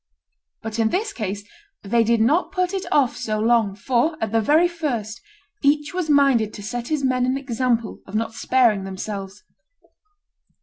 But in this case they did not put it off so long, for, at the very first, each was minded to set his men an example of not sparing themselves.